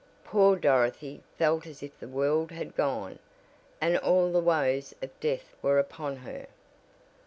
Poor Dorothy felt as if the world had gone, and all the woes of death were upon her!